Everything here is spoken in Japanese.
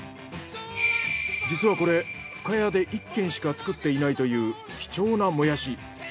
実はこれ深谷で１軒しか作っていないという貴重なもやし。